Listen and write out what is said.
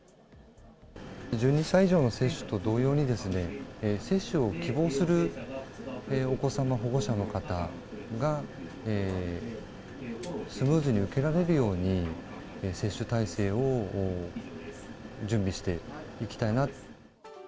１２歳以上の接種と同様に、接種を希望するお子様、保護者の方が、スムーズに受けられるように、接種体制を準備していきたいな。